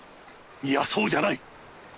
いやそうじゃない！